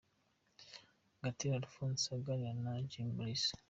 Gatera Alphonse aganira na Jimmy Mulisa.